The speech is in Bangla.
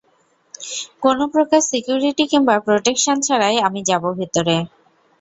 কোনো প্রকার সিকিউরিটি কিংবা প্রটেকশন ছাড়াই আমি যাব ভেতরে।